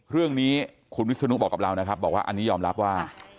เรื่องนี้คุณวิศนุบอกกับเรานะครับบอกว่าอันนี้ยอมรับว่า